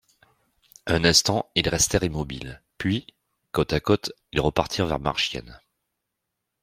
Un instant, ils restèrent immobiles ; puis, côte à côte, ils repartirent vers Marchiennes.